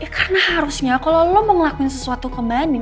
karena harusnya kalau lo mau ngelakuin sesuatu ke mbak andin